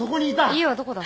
家はどこだ？